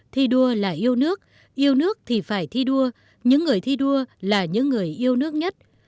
thi đua là yêu nước yêu nước thì phải thi đua những người thi đua là những người yêu nước nhất